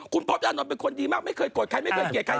คุณพศอานนท์เป็นคนดีมากไม่เคยโกรธใครไม่เคยเกลียดใคร